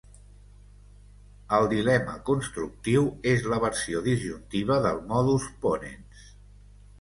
El dilema constructiu és la versió disjuntiva del modus ponens.